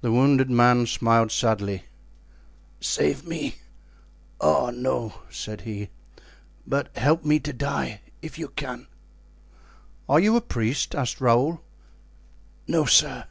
The wounded man smiled sadly. "Save me! Oh, no!" said he, "but help me to die, if you can." "Are you a priest?" asked Raoul. "No sir."